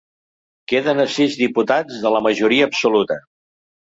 Queden a sis diputats de la majoria absoluta.